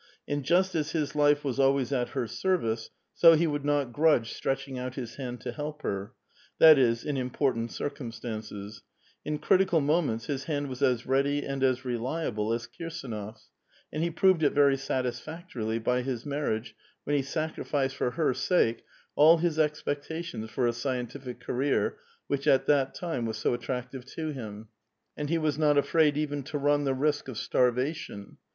And just as his life was alwa3S at her service, so he would not grudge stretching out his hand to help her ; that is, in important circumstances ; in critical moments his hand was as ready and as reliable as Kirsdnof s, and he proved it very satisfactorily by his mar riage, when he sacrificed for her sake, all his expectations for a scientific career, which at that time was so attractive to him ; and he was not afraid even to run the risk of starva tion.